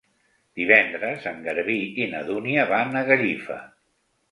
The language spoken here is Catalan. Divendres en Garbí i na Dúnia van a Gallifa.